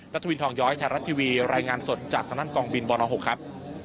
ทวินทองย้อยไทยรัฐทีวีรายงานสดจากทางด้านกองบินบน๖ครับ